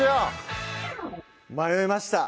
迷いました